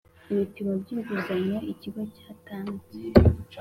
Ibipimo by inguzanyo ikigo cyatanze